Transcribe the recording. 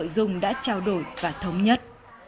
để giao đổi và thống nhất